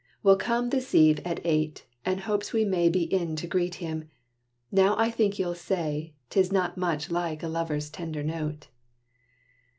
'Will come this eve, at eight, and hopes we may Be in to greet him.' Now I think you'll say 'Tis not much like a lover's tender note."